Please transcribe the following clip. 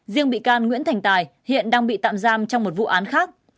riêng bị can nguyễn thành tài hiện đang bị tạm giam trong một vụ án khác